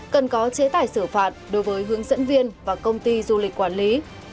cần có chế tải sử phạt đối với hướng dẫn viên và công ty du lịch quản lý